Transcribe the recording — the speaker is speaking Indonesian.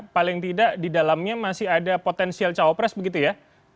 paling tidak di dalamnya masih ada potensial cawapres begitu ya